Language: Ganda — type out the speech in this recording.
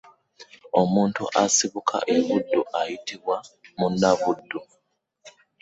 Omuntu asibuka e Buddu ayitibwa munnabuddu.